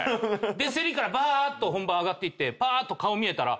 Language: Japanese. でせりからばーっと本番上がっていってぱーっと顔見えたら。